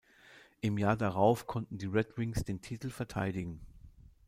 Im Jahr darauf konnten die Red Wings den Titel verteidigen.